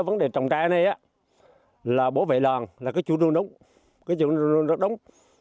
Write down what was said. vấn đề trồng tre này là bổ vệ lòn là cái chủ đương đúng cái chủ đương rất đúng